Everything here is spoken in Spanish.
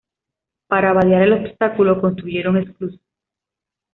Para vadear el obstáculo, construyeron esclusas.